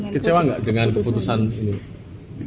kecewa nggak dengan keputusan ini